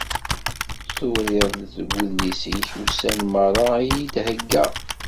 Turiḍ deg udlis-ik ussan merra i iyi-theyyaḍ.